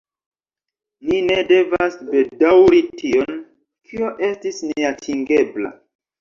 Ni ne devas bedaŭri tion, kio estis neatingebla.